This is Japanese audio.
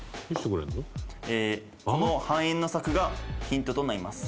この半円の柵がヒントとなります。